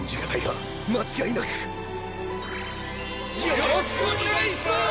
よろしくお願いします！